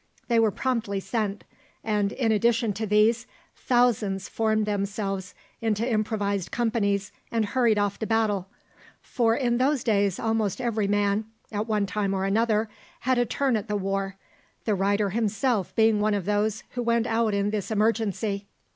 They were promptly sent, and, in addition to these, thousands formed themselves into improvised companies and hurried off to battle for in those days almost every man, at one time or another, had a turn at the war, the writer himself being one of those who went out in this emergency.